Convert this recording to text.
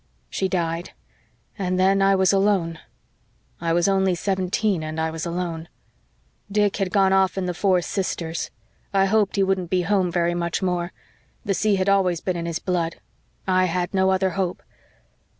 She died and then I was alone. I was only seventeen and I was alone. Dick had gone off in the Four Sisters. I hoped he wouldn't be home very much more. The sea had always been in his blood. I had no other hope.